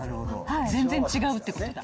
全然違うってことだ。